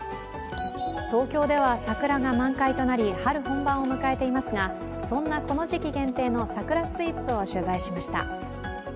東京では桜が満開となり、春本番を迎えていますがそんなこの時期限定の桜スイーツを取材しました。